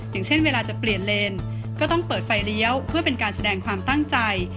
อย่างเช่นเวลาจะเปลี่ยนเลนก็ต้องเปิดไฟเลี้ยวเพื่อเป็นการแสดงความตั้งใจ